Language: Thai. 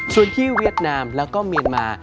ส่วนที่เวียดนามแล้วก็เมียนมา